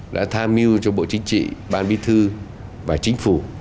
đã tha mưu cho bộ chính trị ban biên thư và chính phủ